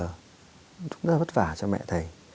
rất vất vả cho mẹ thầy